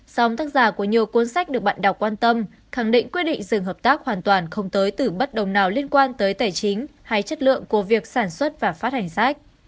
dòng tác giả của nhiều cuốn sách được bạn đọc quan tâm khẳng định quyết định dừng hợp tác hoàn toàn không tới từ bất đồng nào liên quan tới tài chính hay chất lượng của việc sản xuất và phát hành sách